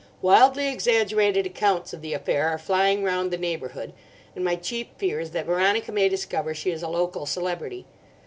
"Wildly exaggerated accounts of the affair are flying round the neighbourhood; and my chief fear is that Veronica may discover she is a local celebrity.